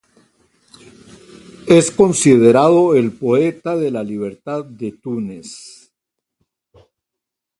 Es considerado el poeta de la libertad de Túnez.